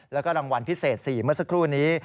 แล้วก็รางวัลพิเศษ๔เมื่อสักครู่นี้